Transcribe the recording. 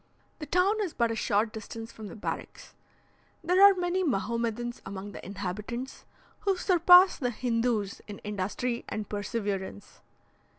The town is but a short distance from the barracks. There are many Mahomedans among the inhabitants, who surpass the Hindoos in industry and perseverance.